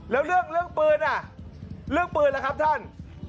แล้วเรื่องปืนอ่ะเรื่องปืนล่ะครับท่าน